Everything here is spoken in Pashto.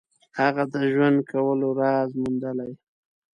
هغه د ژوند کولو راز موندلی.